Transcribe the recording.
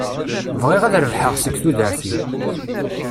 Bɣiɣ ad rebḥeɣ seg tudert-iw.